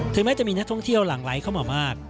แม้จะมีนักท่องเที่ยวหลั่งไหลเข้ามามาก